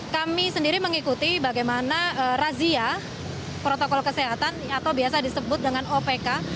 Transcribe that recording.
kami sendiri mengikuti bagaimana razia protokol kesehatan atau biasa disebut dengan opk